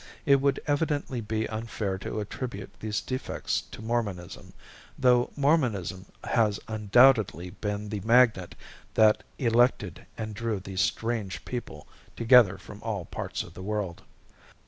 It would evidently be unfair to attribute these defects to Mormonism, though Mormonism has undoubtedly been the magnet that elected and drew these strange people together from all parts of the world.